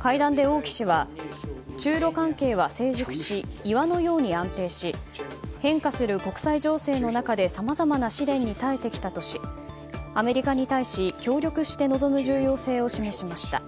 会談で、王毅氏は中ロ関係は成熟し岩のように安定し変化する国際情勢の中でさまざまな試練に耐えてきたとしアメリカに対し協力して臨む重要性を示しました。